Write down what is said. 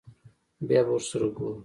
بيا به ورسره گورو.